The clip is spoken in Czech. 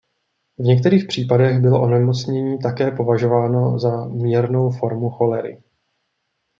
V některých případech bylo onemocnění také považováno za mírnou formu cholery.